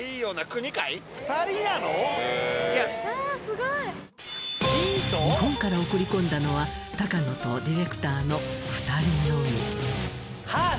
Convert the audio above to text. ゴーンの日本から送り込んだのは高野とディレクターの２人のみ。